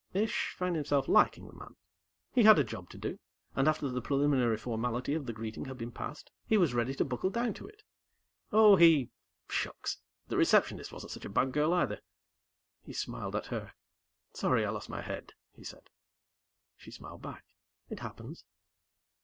Ish found himself liking the man. He had a job to do, and after the preliminary formality of the greeting had been passed, he was ready to buckle down to it. Oh, he shucks? the Receptionist wasn't such a bad girl, either. He smiled at her. "Sorry I lost my head," he said. She smiled back. "It happens."